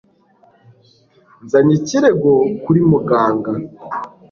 Nzanye ikirego kuri muganga.